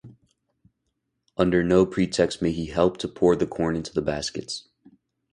Under no pretext may he help to pour the corn into the baskets.